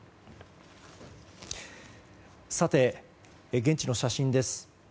現地の写真です。